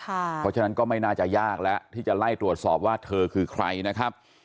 เพราะฉะนั้นก็ไม่น่าจะยากแล้วที่จะไล่ตรวจสอบว่าเธอคือใครนะครับ